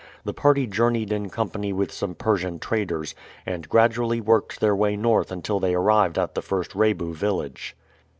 The party journeyed in company with some Persian traders, and gradually worked their way north until they arrived at the first Rebu village.